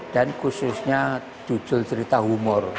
dan khususnya judul cerita humor